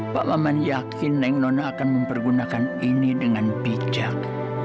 pak maman yakin neng nono akan mempergunakan ini dengan bijak